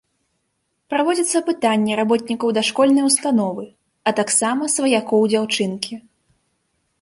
Праводзяцца апытанні работнікаў дашкольнай установы, а таксама сваякоў дзяўчынкі.